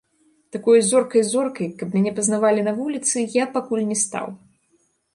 Такой зоркай-зоркай, каб мяне пазнавалі на вуліцы, я пакуль не стаў.